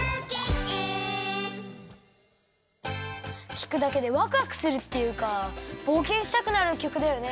きくだけでわくわくするっていうかぼうけんしたくなるきょくだよね。